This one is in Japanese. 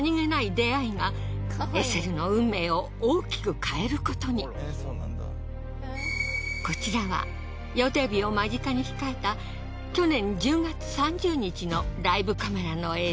ローラはエセルの愛くるしさにひかれするとこちらは予定日を間近に控えた去年１０月３０日のライブカメラの映像。